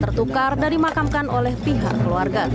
tertukar dan dimakamkan oleh pihak keluarga